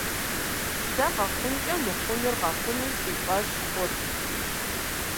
Сэ къэхъункӀэ мыхъунур къэхъуну си фӀэщ хъурт.